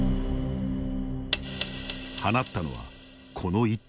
放ったのはこの一手。